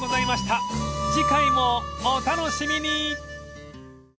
［次回もお楽しみに］